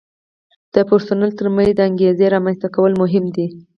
د پرسونل ترمنځ د انګیزې رامنځته کول مهم دي.